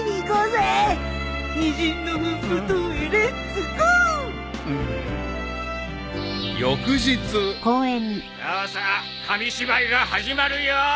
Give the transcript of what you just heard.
さあさあ紙芝居が始まるよ！